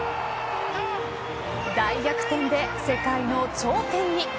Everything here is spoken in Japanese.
大逆転で世界の頂点に。